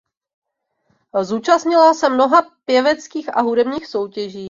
Zúčastnila se mnoha pěveckých a hudebních soutěží.